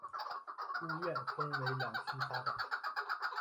屋苑分为两期发展。